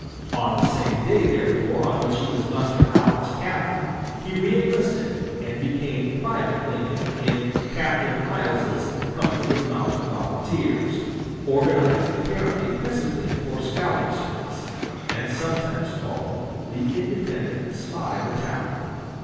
On the same day, therefore, on which he was mustered out as captain, he reënlisted, and became Private Lincoln in Captain Iles's company of mounted volunteers, organized apparently principally for scouting service, and sometimes called the Independent Spy Battalion.